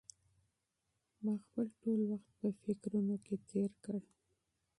ما خپل ټول وخت په فکرونو کې تېر کړ.